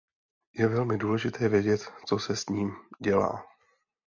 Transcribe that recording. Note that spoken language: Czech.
Je velmi důležité vědět, co se s ním dělá.